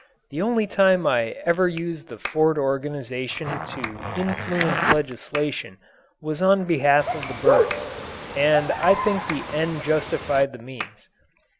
The only time I ever used the Ford organization to influence legislation was on behalf of the birds, and I think the end justified the means.